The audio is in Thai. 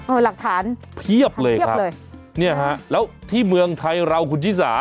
เออหลักฐานเพียบเลยค่ะนี่ฮะแล้วที่เมืองไทยเราคุณฮิสา